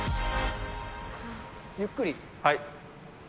ゆっくり。